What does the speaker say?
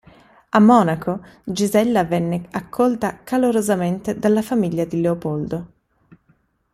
A Monaco, Gisella venne accolta calorosamente dalla famiglia di Leopoldo.